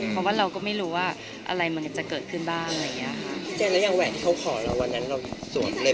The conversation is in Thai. เพราะว่าเราก็ไม่รู้ว่าอะไรมันจะเกิดขึ้นบ้างอะไรอย่างนี้